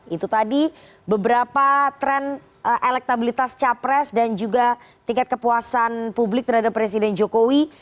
itu tadi beberapa tren elektabilitas capres dan juga tingkat kepuasan publik terhadap presiden jokowi